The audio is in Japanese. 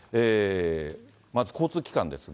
まず交通機関ですが。